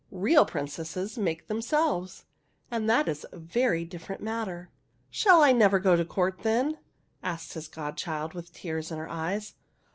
Real princesses make themselves, and that is a very different matter." '' Shall I never go to court, then ?" asked his godchild, with tears in her eyes.